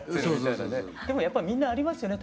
でもやっぱみんなありますよね